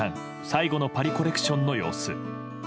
最後のパリコレクションの様子。